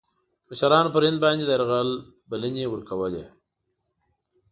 مشـرانو پر هند باندي د یرغل بلني ورکولې.